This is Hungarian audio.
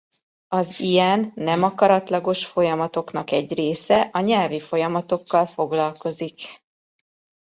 Az ilyen nem akaratlagos folyamatoknak egy része a nyelvi folyamatokkal foglalkozik.